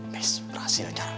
best berhasil acara gue